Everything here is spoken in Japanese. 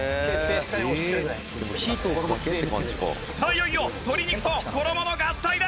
いよいよ鶏肉と衣の合体だ！